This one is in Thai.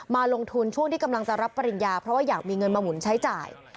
มาลงทุนช่วงที่กำลังจะรับปริญญาเพราะว่าอยากมีเงินมาหมุนใช้จ่าย